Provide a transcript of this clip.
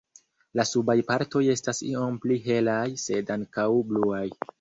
La subaj partoj estas iom pli helaj, sed ankaŭ bluaj.